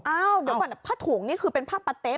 อ้าวเดี๋ยวก่อนผ้าถุงนี่คือเป็นผ้าปะเต๊